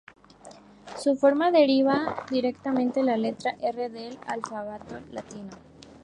Su forma derivaría directamente de la letra "R" del alfabeto latino.